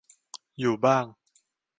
อยู่บ้าง